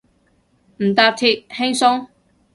唔搭鐵，輕鬆